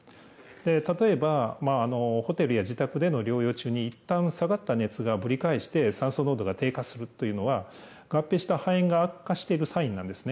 例えば、ホテルや自宅での療養中にいったん下がった熱がぶり返して、酸素濃度が低下するというのは、合併した肺炎が悪化しているサインなんですね。